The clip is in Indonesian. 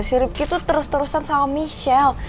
si rifki tuh terus terusan sama michelle